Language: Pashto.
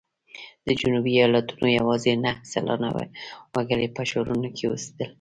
د جنوبي ایالتونو یوازې نهه سلنه وګړي په ښارونو کې اوسېدل.